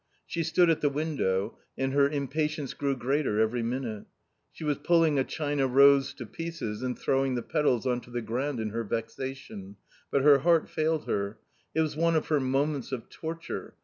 She stood at the window, and her impatience grew greater every minute. She was pulling a China rose to pieces and throwing the petals on to the ground in her vexation, but her heart failed her ; it was one of her moments of torture.